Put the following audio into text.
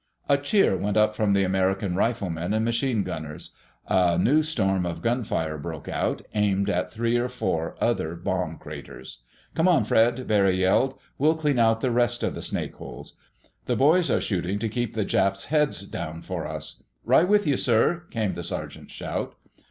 A cheer went up from the American riflemen and machine gunners. A new storm of gunfire broke out, aimed at three or four other bomb craters. "Come on, Fred!" Barry yelled. "We'll clean out the rest of the snakeholes. The boys are shooting to keep the Japs' heads down for us." "Right with you, sir!" came the sergeant's shout.